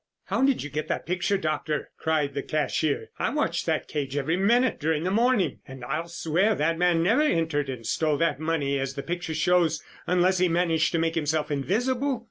"How did you get that picture, Doctor?" cried the cashier. "I watched that cage every minute during the morning and I'll swear that man never entered and stole that money as the picture shows, unless he managed to make himself invisible."